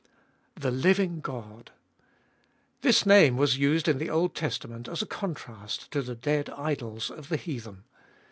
The living God ! This name was used in the Old Testa ment as a contrast to the dead idols of the heathen.